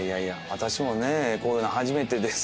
私もねこういうの初めてです。